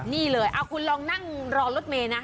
นี่เลยคุณลองนั่งรอรถเมย์นะ